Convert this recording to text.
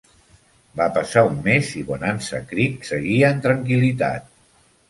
Va passar un mes i Bonanza Creek seguia en tranquil·litat.